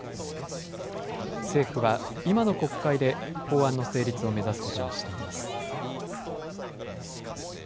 政府は今の国会で法案の成立を目指すことにしています。